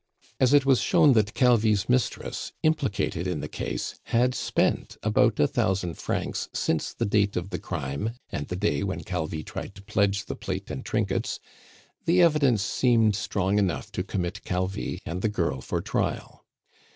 As it was shown that Calvi's mistress, implicated in the case, had spent about a thousand francs since the date of the crime and the day when Calvi tried to pledge the plate and trinkets, the evidence seemed strong enough to commit Calvi and the girl for trial.